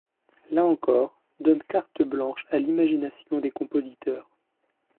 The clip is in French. Là encore, donne carte blanche à l’imagination des compositeurs.